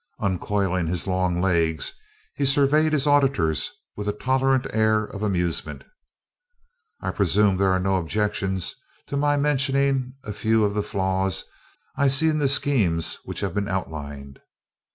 Uncoiling his long legs, he surveyed his auditors with a tolerant air of amusement: "I presume there are no objections to my mentioning a few of the flaws that I see in the schemes which have been outlined?"